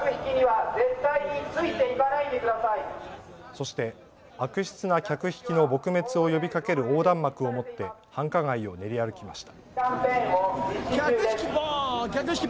そして悪質な客引きの撲滅を呼びかける横断幕を持って繁華街を練り歩きました。